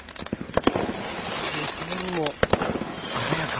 見た目にも鮮やか。